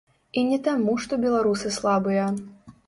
І не таму, што беларусы слабыя.